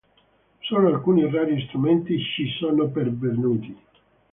Solo alcuni rari strumenti ci sono pervenuti.